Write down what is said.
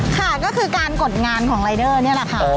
ค่ะก็คือการกดงานของรายเดอร์นี่แหละค่ะ